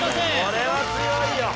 これは強いよ